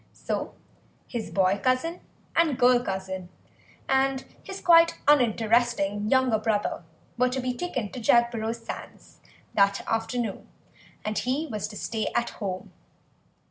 So his boy cousin and girl cousin and his quite uninteresting younger brother were to be taken to Jagborough sands that afternoon and he was to stay at home.